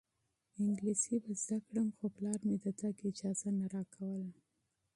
انګلیسي به زده کړم خو پلار مې د تګ اجازه نه راکوله.